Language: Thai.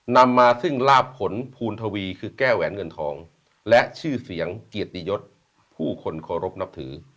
นำมาซึ่งลาบผลภูณทวีคือแก้แหวนเงินทองและชื่อเสียงเกียรติยศผู้คนเคารพนับถือ